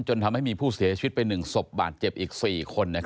จนทำให้มีผู้เสียชีวิตไป๑ศพบาดเจ็บอีก๔คน